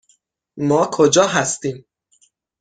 ما کجا هستیم؟